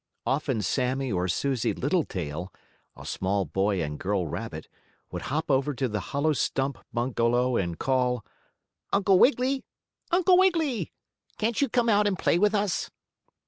Often Sammie or Susie Littletail, a small boy and girl rabbit, would hop over to the hollow stump bungalow, and call: "Uncle Wiggily! Uncle Wiggily! Can't you come out and play with us?"